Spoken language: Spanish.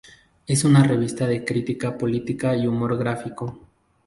Es una revista de crítica política y humor gráfico.